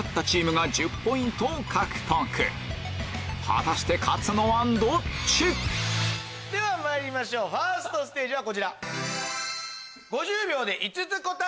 果たして勝つのはどっち⁉ではまいりましょうファーストステージはこちら。